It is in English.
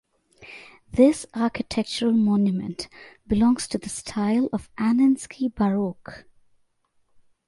This architectural monument belongs to the style of "Anninsky Baroque".